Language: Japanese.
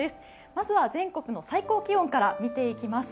まずは、全国の最高気温から見ていきます。